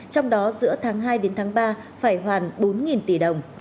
trong đó giữa tháng hai đến tháng ba phải hoàn bốn tỷ đồng